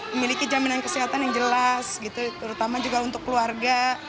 memiliki jaminan kesehatan yang jelas gitu terutama juga untuk keluarga